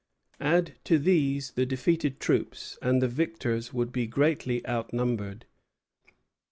Add to these the defeated troops, and the victors would be greatly outnumbered.